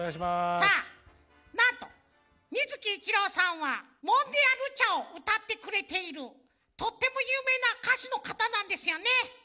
さあなんと水木一郎さんは「モンＤＥＹＡ！ルチャ」をうたってくれているとってもゆうめいなかしゅのかたなんですよね？